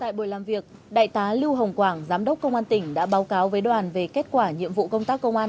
tại buổi làm việc đại tá lưu hồng quảng giám đốc công an tỉnh đã báo cáo với đoàn về kết quả nhiệm vụ công tác công an